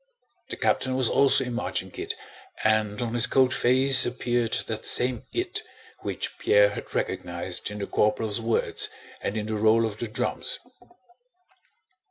The captain was also in marching kit, and on his cold face appeared that same it which Pierre had recognized in the corporal's words and in the roll of the drums.